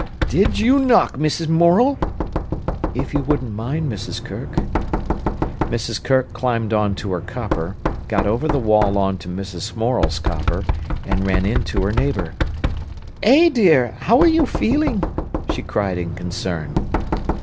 "Did you knock, Mrs. Morel?" "If you wouldn't mind, Mrs. Kirk." Mrs. Kirk climbed on to her copper, got over the wall on to Mrs. Morel's copper, and ran in to her neighbour. "Eh, dear, how are you feeling?" she cried in concern.